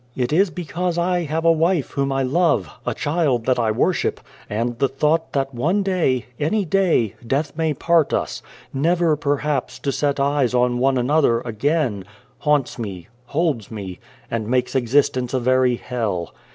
It is because I have a wife whom I love, a child that I worship, and the thought 192 and the Devil that one day any day death may part us, never, perhaps, to set eyes on one another again, haunts me, holds me, and makes exist ence a very hell.